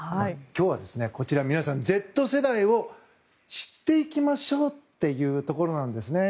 今日は皆さん、Ｚ世代を知っていきましょうというところなんです。